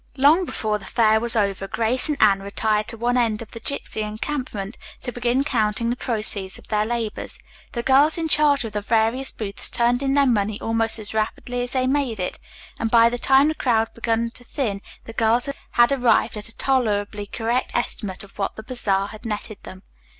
Long before the fair was over Grace and Anne retired to one end of the gypsy encampment to begin counting the proceeds of their labors. The girls in charge of the various booths turned in their money almost as rapidly as they made it, and by the time the crowd had begun to thin the girls had arrived at a tolerably correct estimate of what the bazaar had netted them.